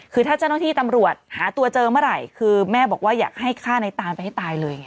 คือถ้าเจ้าหน้าที่ตำรวจหาตัวเจอเมื่อไหร่คือแม่บอกว่าอยากให้ฆ่าในตานไปให้ตายเลย